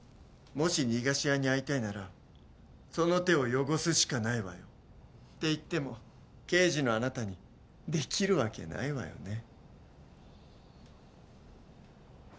もし逃がし屋に会いたいならその手を汚すしかないわよって言っても刑事のあなたにできるわけないわよね